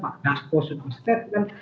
pak daspo sudah statement